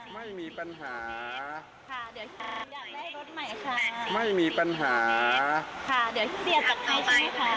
ไม่มีปัญหาค่ะเดี๋ยวค่ะไม่มีปัญหาค่ะเดี๋ยวเสียจัดให้พี่ค่ะ